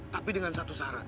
tapi dengan satu syarat